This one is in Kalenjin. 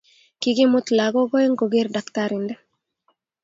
Kikimut lagok oeng koger daktarinte